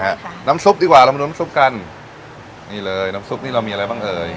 ค่ะน้ำซุปดีกว่าเรามาดูน้ำซุปกันนี่เลยน้ำซุปนี่เรามีอะไรบ้างเอ่ย